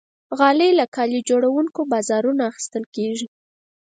غالۍ له کالي جوړونکي بازارونو اخیستل کېږي.